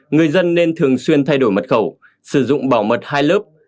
người dân nên thường xuyên thay đổi mật khẩu sử dụng bảo mật hai lớp